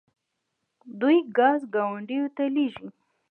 دوی ګاز ګاونډیو ته لیږي.